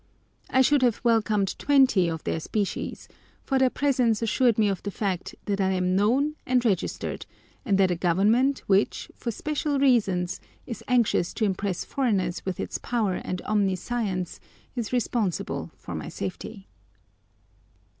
I should have welcomed twenty of their species, for their presence assured me of the fact that I am known and registered, and that a Government which, for special reasons, is anxious to impress foreigners with its power and omniscience is responsible for my safety.